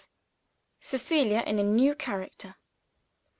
CECILIA IN A NEW CHARACTER.